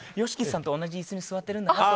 ＹＯＳＨＩＫＩさんと同じ椅子に座ってるんだなって。